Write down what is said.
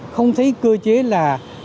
không thấy cơ chế là